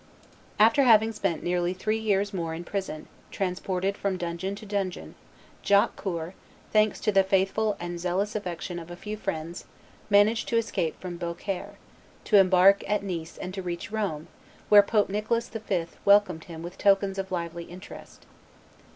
After having spent nearly three years more in prison, transported from dungeon to dungeon, Jacques Coeur, thanks to the faithful and zealous affection of a few friends, managed to escape from Beaucaire, to embark at Nice and to reach Rome, where Pope Nicholas V. welcomed him with tokens of lively interest.